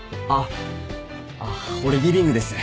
あっ俺リビングです。